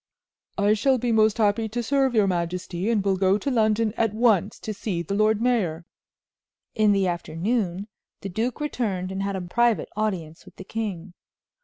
"I shall be most happy to serve your majesty, and will go to London at once to see the lord mayor." In the afternoon the duke returned and had a private audience with the king.